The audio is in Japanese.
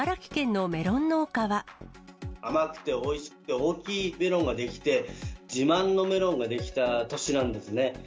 甘くておいしくて大きいメロンが出来て、自慢のメロンが出来た年なんですね。